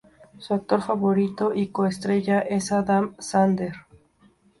Su actor favorito y co-estrella es Adam Sandler.